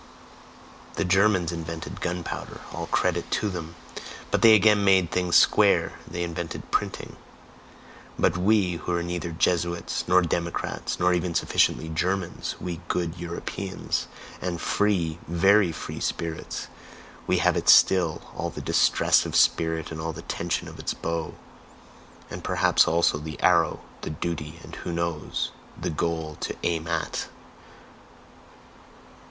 (The Germans invented gunpowder all credit to them! but they again made things square they invented printing.) But we, who are neither Jesuits, nor democrats, nor even sufficiently Germans, we GOOD EUROPEANS, and free, VERY free spirits we have it still, all the distress of spirit and all the tension of its bow! And perhaps also the arrow, the duty, and, who knows? THE GOAL TO AIM AT....